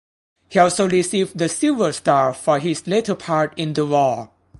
He also received the Silver Star for his later part in the war.